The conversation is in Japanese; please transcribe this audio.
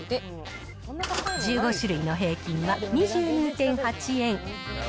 １５種類の平均は２２．８円。